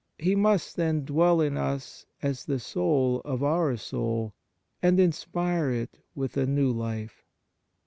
He must, then, dwell in us as the soul of our soul, and inspire it with a new life.